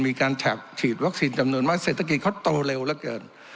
มีการฉากฉีดวัคซีนจำนวนมากเศรษฐกิจเขาโตเร็วเหลือเกิน